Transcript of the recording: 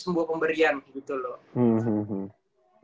sebuah pemberian gitu loh